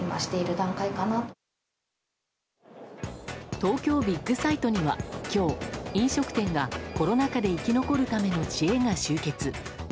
東京ビッグサイトには飲食店がコロナ禍で生き残るための知恵が集結。